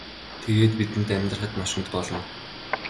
Тэгээд бидэнд амьдрахад маш хүнд болно.